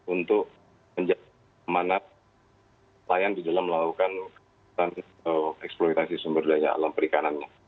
untuk menjaga keamanan nelayan di dalam melakukan eksploitasi sumber daya alam perikanannya